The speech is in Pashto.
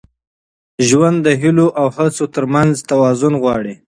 ژوند د هیلو او هڅو تر منځ توازن غواړي.